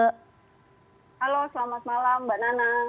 halo selamat malam mbak nana